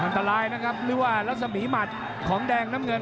อันตรายนะครับรศมีหมัดของแดงนเมิน